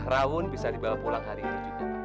rawun bisa dibawa pulang hari ini